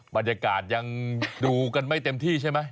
บรรยากาศยังดูกันไม่เต็มที่ใช่ไหม